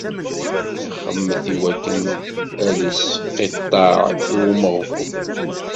Ixemmet iwakken ad isqiṭṭeɛ i umeɣbun.